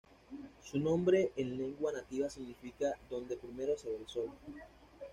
Su nombre en lengua nativa significa: "donde primero se ve el sol".